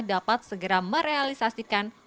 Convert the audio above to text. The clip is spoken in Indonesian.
dapat segera merealisasikan penyelenggaraan listrik